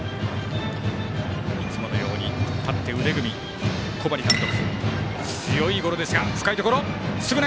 いつものように立って腕組み、小針監督。